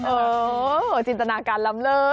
เออจินตนาการล้ำเลิศ